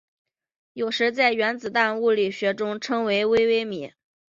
有时在原子物理学中称为微微米。